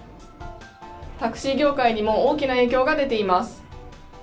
タクシー業界にも大きな影響が出ています。